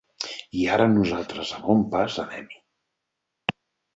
I ara nosaltres a bon pas anem-hi.